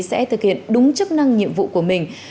sẽ thực hiện đúng chức năng nhiệm vụ của mình